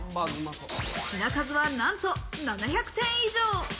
品数はなんと７００点以上。